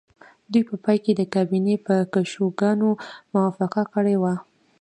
دوی په پای کې د کابینې په کشوګانو موافقه کړې وه